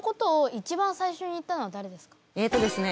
えっとですね